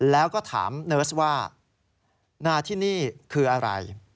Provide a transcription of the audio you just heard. แล้วก็ถามเนิร์สว่านาที่นี่คืออะไร